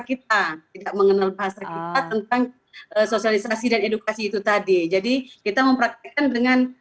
kita tidak mengenal bahasa kita tentang sosialisasi dan edukasi itu tadi jadi kita mempraktekkan dengan